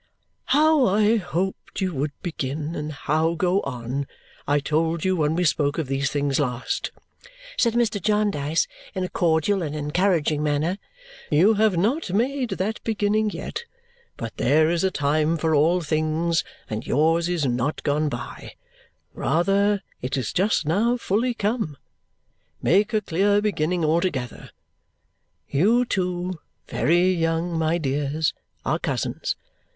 "How I hoped you would begin, and how go on, I told you when we spoke of these things last," said Mr. Jarndyce in a cordial and encouraging manner. "You have not made that beginning yet, but there is a time for all things, and yours is not gone by; rather, it is just now fully come. Make a clear beginning altogether. You two (very young, my dears) are cousins.